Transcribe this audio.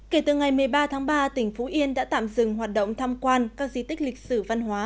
kể từ ngày một mươi ba tháng ba tỉnh phú yên đã tạm dừng hoạt động tham quan các di tích lịch sử văn hóa